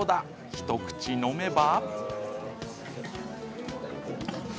一口飲めば。